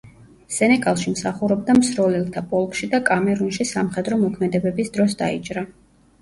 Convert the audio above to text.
სენეგალში მსახურობდა მსროლელთა პოლკში და კამერუნში სამხედრო მოქმედებების დროს დაიჭრა.